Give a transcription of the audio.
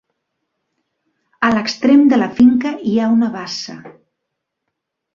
A l'extrem de la finca hi ha una bassa.